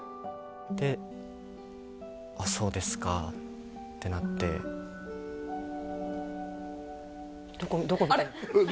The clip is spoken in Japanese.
で「あっそうですか」ってなってあれっ？